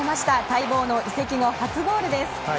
待望の移籍後初ゴールです。